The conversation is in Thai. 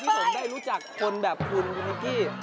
ที่ผมได้รู้จักคนแบบคุณคุณโอเค